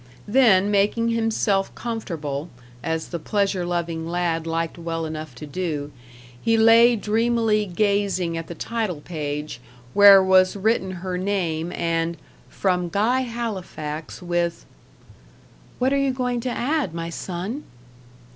Then making himself comfortable, as the pleasure loving lad liked well enough to do, he lay dreamily gazing at the title page, where was written her name, and "From Guy Halifax, with " "What are you going to add, my son?"